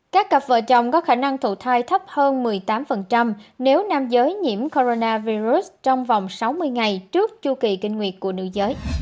các cặp vợ chồng có khả năng thụ thai thấp hơn một mươi tám nếu nam giới nhiễm corona virus trong vòng sáu mươi ngày trước chu kỳ kinh nguyệt của nữ giới